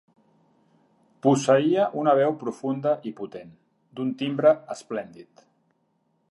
Posseïa una veu profunda i potent, d'un timbre esplèndid.